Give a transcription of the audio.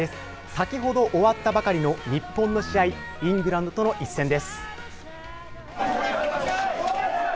先ほど終わったばかりの日本の試合、イングランドとの一戦です。